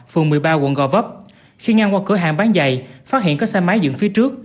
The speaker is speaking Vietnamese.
phường một mươi ba quận gò vấp khi ngang qua cửa hàng bán giày phát hiện có xe máy dựng phía trước